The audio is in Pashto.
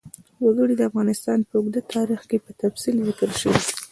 وګړي د افغانستان په اوږده تاریخ کې په تفصیل ذکر شوی دی.